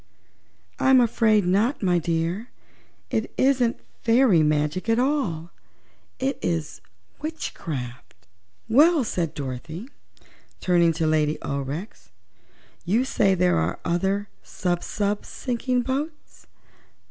"I'm afraid not, my dear. It isn't fairy magic at all; it is witchcraft." "Well," said Dorothy, turning to Lady Aurex, "you say there are other sub sub sinking boats.